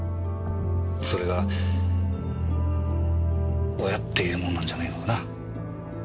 それが親っていうもんなんじゃねえのかな。